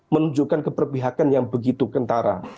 menunjukkan keperpihakan yang begitu kentara